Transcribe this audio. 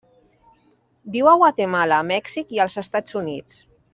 Viu a Guatemala, Mèxic i els Estats Units.